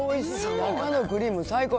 中のクリーム最高。